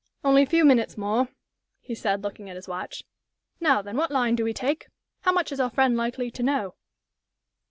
"Only a few minutes more," he said, looking at his watch. "Now, then, what line do we take? How much is our friend likely to know?"